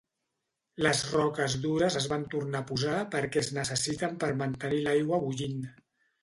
Les roques dures es van tornar a posar per què es necessiten per mantenir l"aigua bullint.